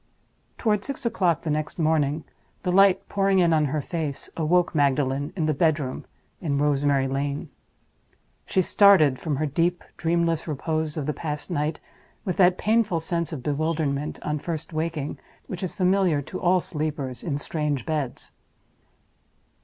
Toward six o'clock the next morning, the light pouring in on her face awoke Magdalen in the bedroom in Rosemary Lane. She started from her deep, dreamless repose of the past night with that painful sense of bewilderment, on first waking, which is familiar to all sleepers in strange beds.